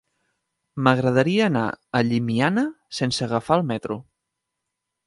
M'agradaria anar a Llimiana sense agafar el metro.